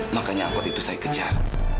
makanya angkot itu saya kejar